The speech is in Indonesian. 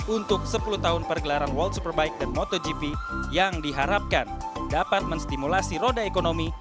untuk sepuluh tahun pergelaran world superbike dan motogp yang diharapkan dapat menstimulasi roda ekonomi